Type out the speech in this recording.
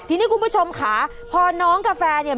ทีนี้คุณผู้ชมค่ะพอน้องกาแฟเนี่ย